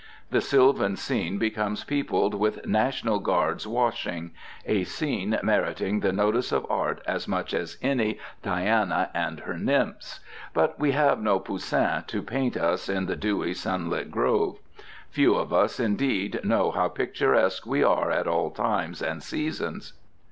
The sylvan scene becomes peopled with "National Guards Washing," a scene meriting the notice of Art as much as any "Diana and her Nymphs." But we have no Poussin to paint us in the dewy sunlit grove. Few of us, indeed, know how picturesque we are at all times and seasons.